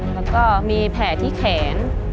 แล้วก็มีแผลที่แขน